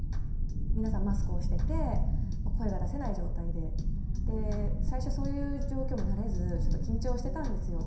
皆さんマスクをしてて声が出せない状態で最初そういう状況も慣れずちょっと緊張してたんですよ。